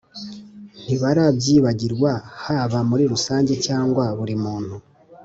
ntibarabyibagirwa haba muri rusange cyangwa buri muntu